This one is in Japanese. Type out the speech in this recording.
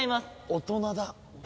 大人だ。